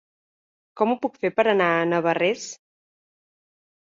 Com ho puc fer per anar a Navarrés?